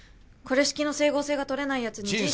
「これしきの整合性がとれないやつに」